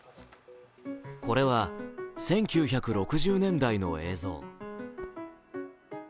これは１９６０年代の映像。